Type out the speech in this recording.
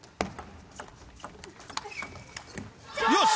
よし！